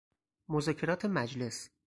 مذاکرات مجلس